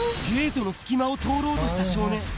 ゲートの隙間を通ろうとした少年。